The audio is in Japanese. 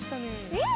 うん！